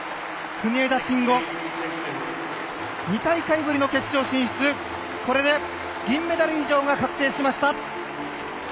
国枝慎吾２大会ぶりの決勝進出、これで銀メダル以上が確定しました。